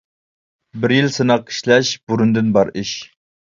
بىر يىل سىناقتا ئىشلەش بۇرۇندىن بار ئىش.